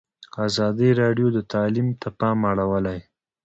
ازادي راډیو د تعلیم ته پام اړولی.